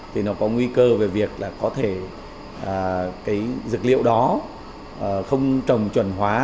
thì nó có nguy cơ về việc có thể dược liệu đó không trồng chuẩn hóa